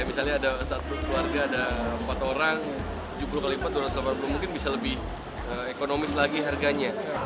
misalnya ada satu keluarga ada empat orang jumlah kelipat dua ratus delapan puluh mungkin bisa lebih ekonomis lagi harganya